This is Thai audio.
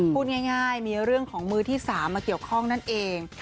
พูดง่ายมีเรื่องของมือที่๓มาเกี่ยวข้องนั่นเอง